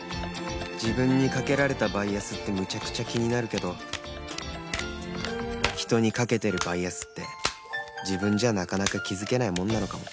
自分にかけられたバイアスってむちゃくちゃ気になるけど人にかけてるバイアスって自分じゃなかなか気づけないもんなのかも